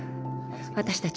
私たち。